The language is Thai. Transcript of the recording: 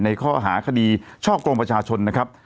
ในข้อหาคดีช่อกงประชาชนนะครับ